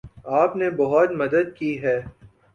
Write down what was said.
آپ نے بہت مدد کی ہے